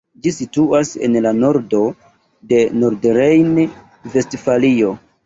Ĝi situas en la nordo de Nordrejn-Vestfalio.